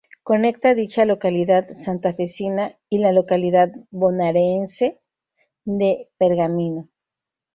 Conecta dicha localidad santafesina y la localidad bonaerense de Pergamino.